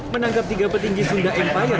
menangkap tiga petinggi sunda empire